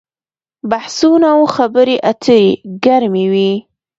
بحثونه او خبرې اترې ګرمې وي.